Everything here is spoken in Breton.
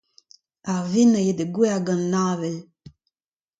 Ar wezenn a ya da gouezhañ gant an avel.